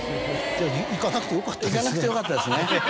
行かなくてよかったですね。